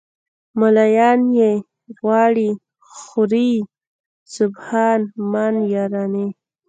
"ملایان یې غواړي خوري سبحان من یرانی".